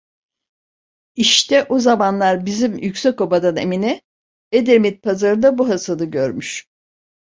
İşte o zamanlar bizim Yüksekoba'dan Emine, Edremit pazarında bu Hasan'ı görmüş…